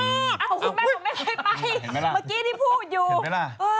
เห็นมั้ยล่ะ